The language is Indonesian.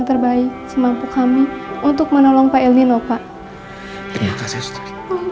terima kasih suster